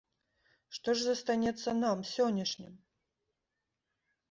Што ж застанецца нам, сённяшнім?